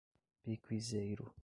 Pequizeiro